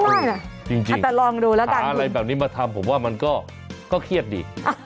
ใช่แหละจริงแต่ลองดูแล้วกันอะไรแบบนี้มาทำผมว่ามันก็เครียดดี